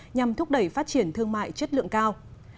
nhằm thúc đẩy phát triển thương mại chất lượng cao